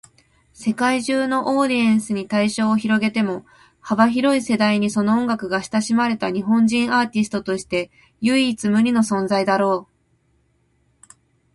世界中のオーディエンスに対象を広げても、幅広い世代にその音楽が親しまれた日本人アーティストとして唯一無二の存在だろう。